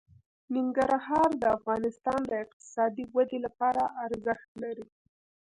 ننګرهار د افغانستان د اقتصادي ودې لپاره ارزښت لري.